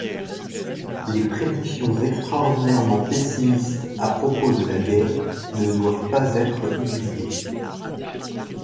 Les prédictions extraordinairement pessimistes à propos de la guerre ne doivent pas être oubliées.